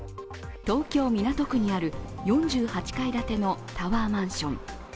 東京・港区にある、４８階建てのタワーマンション。